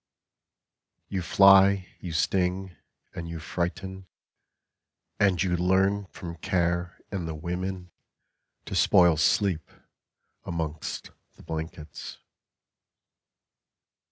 You fly, you sting, and you frighten, And you learn from care and the women To spoil sleep amongst the blankets.